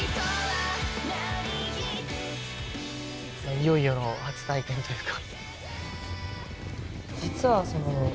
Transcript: いよいよの初体験というか。